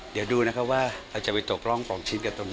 เดี๋ยวดูนะครับว่าเราจะไปตกล้องปล่องชิ้นกันตรงไหน